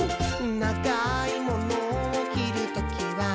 「ながいモノをきるときは、」